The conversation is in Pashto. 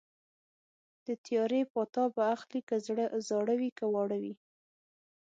د تیارې پاتا به اخلي که زاړه وي که واړه وي